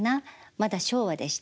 まだ昭和でした。